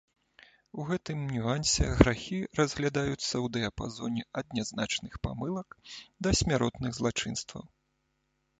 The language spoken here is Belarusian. У гэтым нюансе грахі разглядаюцца ў дыяпазоне ад нязначных памылак да смяротных злачынстваў.